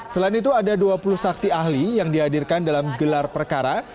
selain itu ada dua puluh saksi ahli yang dihadirkan dalam gelar perkara